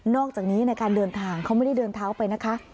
อกจากนี้ในการเดินทางเขาไม่ได้เดินเท้าไปนะคะ